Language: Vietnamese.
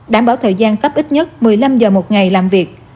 đảm bảo thời gian cấp ít nhất một mươi năm giờ một ngày làm việc